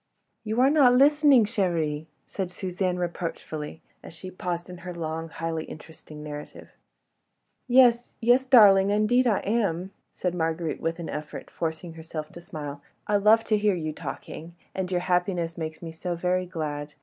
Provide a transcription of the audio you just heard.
"You are not listening, chérie," said Suzanne, reproachfully, as she paused in her long, highly interesting narrative. "Yes, yes, darling—indeed I am," said Marguerite with an effort, forcing herself to smile. "I love to hear you talking ... and your happiness makes me so very glad.